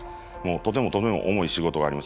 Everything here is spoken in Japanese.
とてもとても重い仕事があります。